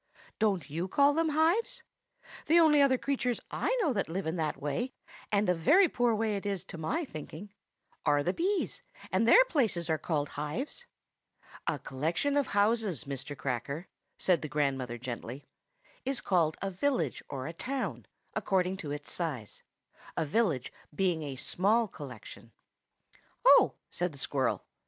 "Don't you call them hives? The only other creatures I know that live in that kind of way (and a very poor way it is, to my thinking) are the bees, and their places are called hives." "A collection of houses, Mr. Cracker," said the grandmother gently, "is called a village or a town, according to its size; a village being a small collection." "Oh!" said the squirrel.